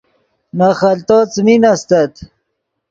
نے خلتو څیمین استت